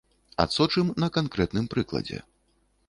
Адсочым на канкрэтным прыкладзе.